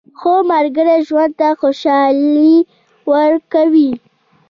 نوې ملګرې ژوند ته خوشالي ورکوي